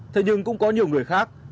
thế nhưng cũng có nhiều người khác